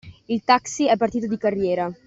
Il taxi è partito di carriera.